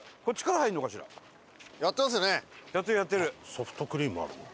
ソフトクリームあるな。